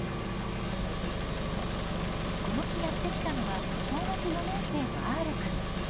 この日やって来たのは小学４年生のＲくん。